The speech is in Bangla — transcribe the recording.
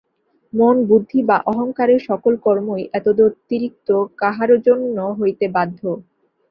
মন, বুদ্ধি বা অহঙ্কারের সকল কর্মই এতদতিরিক্ত কাহারও জন্য হইতে বাধ্য।